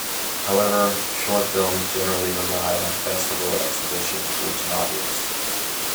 However, short films generally rely on festival exhibition to reach an audience.